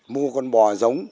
mua con bò giống